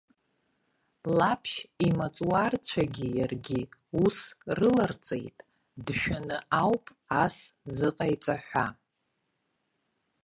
Лаԥшь имаҵуарцәагьы иаргьы ус рыларҵеит, дшәаны ауп ас зыҟаиҵа ҳәа.